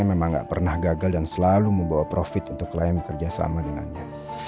memang nggak pernah gagal dan selalu membawa profit untuk klien kerjasama dengannya